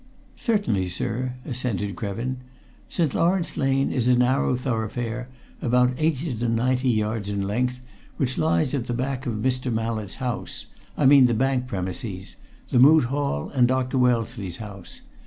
"Certainly, sir," assented Krevin. "St. Lawrence Lane is a narrow thoroughfare, about eighty to ninety yards in length which lies at the back of Mr. Mallett's house I mean the bank premises the Moot Hall, and Dr. Wellesley's house.